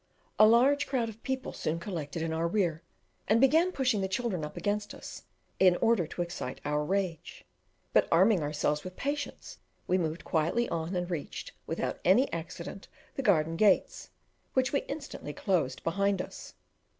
A large crowd of people soon collected in our rear, and began pushing the children up against us, in order to excite our rage; but arming ourselves with patience, we moved quietly on, and reached, without any accident, the garden gates, which we instantly closed behind us.